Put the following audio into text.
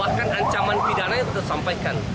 bahkan ancaman pidana itu disampaikan